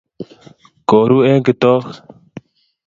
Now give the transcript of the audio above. Koru eng kitok